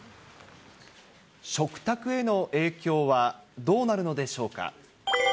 食卓への影響はどうなるのでしょうか。